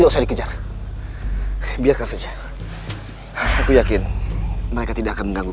di mana malambir menyembunyikan cembeti sakti amar suli